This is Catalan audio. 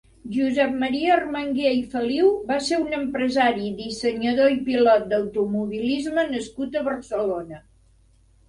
Josep Maria Armangué i Feliu va ser un empresari, dissenyador i pilot d'automobilisme nascut a Barcelona.